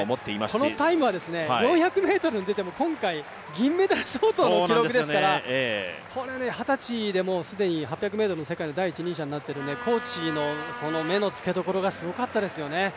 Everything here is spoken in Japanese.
このタイムは４００ｍに出ても、今回、銀メダル相当ですからこれ二十歳で、もう既に８００ｍの世界の第一人者になっているので、コーチの目のつけどころがすごかったですよね。